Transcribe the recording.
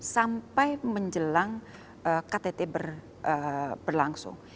sampai menjelang ktt berlangsung